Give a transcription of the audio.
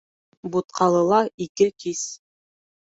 Бутҡалыла ике кис.